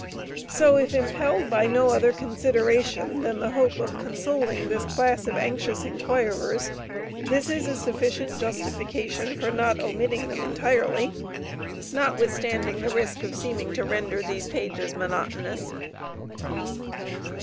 So, if impelled by no other consideration than the hope of consoling this class of anxious inquirers, this is a sufficient justification for not omitting them entirely, notwithstanding the risk of seeming to render these pages monotonous.